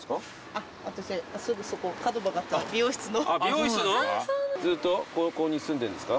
あっ私すぐそこあっ美容室のずっとここに住んでるんですか？